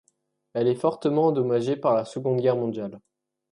Elle est fortement endommagée par la Seconde Guerre mondiale.